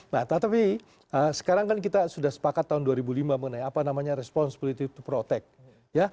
nah tapi sekarang kan kita sudah sepakat tahun dua ribu lima mengenai apa namanya respons politik to protect